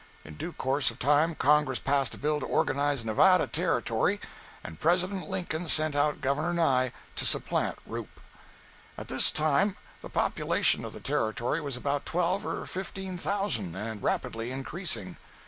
In due course of time Congress passed a bill to organize "Nevada Territory," and President Lincoln sent out Governor Nye to supplant Roop. At this time the population of the Territory was about twelve or fifteen thousand, and rapidly increasing.